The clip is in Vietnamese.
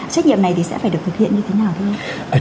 trách nhiệm này thì sẽ phải được thực hiện như thế nào thưa ông